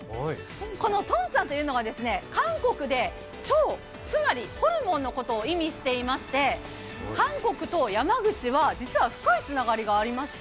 このとんちゃんというのは、韓国で腸、つまりホルモンのことを意味していまして韓国と山口は実は深いつながりがありまして